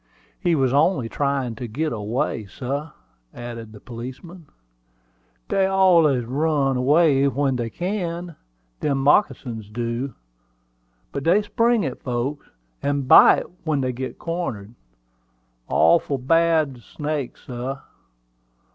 "He was only tryin' to git away, sah," added the policeman. "Dey allus run away when dey can, dem moccasins do; but dey spring at folks, and bite when dey git cornered. Awful bad snake, sah.